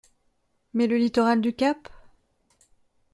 Mais le littoral du cap ?…